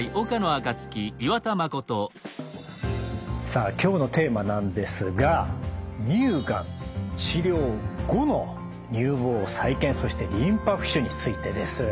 さあ今日のテーマなんですが乳がん治療後の乳房再建そしてリンパ浮腫についてです。